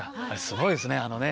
あれすごいですね。